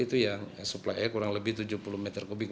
itu yang suplai kurang lebih tujuh puluh meter kubik